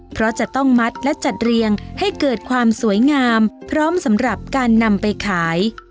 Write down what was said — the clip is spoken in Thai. เพราะจะต้องมัดและจัดเรียงให้เกิดความสวยงามพร้อมสำหรับการนำไปขาย